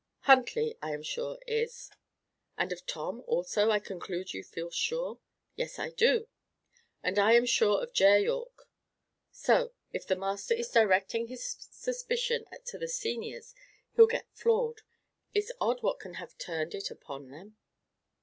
Huntley, I am sure, is." "And of Tom, also, I conclude you feel sure?" "Yes, I do." "And I am sure of Ger Yorke. So, if the master is directing his suspicion to the seniors, he'll get floored. It's odd what can have turned it upon them."